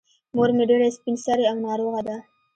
مور مې ډېره سبین سرې او ناروغه ده.